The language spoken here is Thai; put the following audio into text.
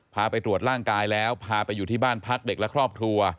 ไปตรวจร่างกายแล้วพาไปอยู่ที่บ้านพักเด็กและครอบครัว